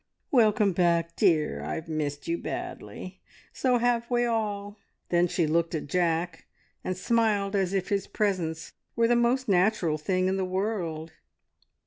"Welcome back, dear. I've missed you badly. So have we all." Then she looked at Jack, and smiled as if his presence were the most natural thing in the world.